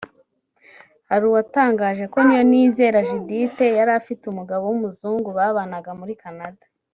Hari uwatangaje ko Niyonizera Judith yari afite umugabo w’umuzungu babanaga muri Canada